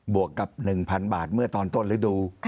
วกกับ๑๐๐๐บาทเมื่อตอนต้นฤดู